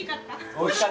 おいしい。